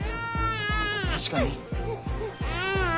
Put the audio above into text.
確かに。